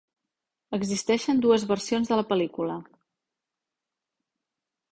Existeixen dues versions de la pel·lícula.